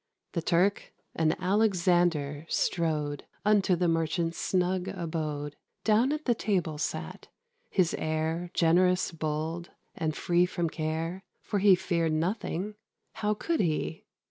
The Turk an Alexander strode Unto the Merchant's snug abode: Down at the table sat his air Generous, bold, and free from care, For he feared nothing, how could he?